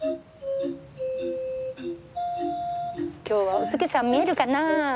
今日はお月さん見えるかなあ？